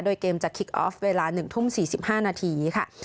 โดยเกมจะคิกออฟเวลา๑ทุ่ม๔๕นาทีค่ะ